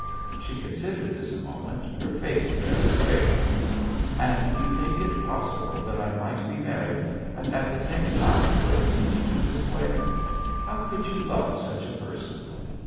She considered this a moment, her face very grave. "And you thiiik it possible that I might be married and at the same time willing to meet you this way? How could you love such a person?"